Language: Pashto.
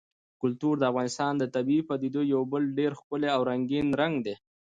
کلتور د افغانستان د طبیعي پدیدو یو بل ډېر ښکلی او رنګین رنګ دی.